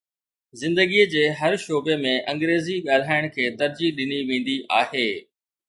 زندگيءَ جي هر شعبي ۾ انگريزي ڳالهائڻ کي ترجيح ڏني ويندي آهي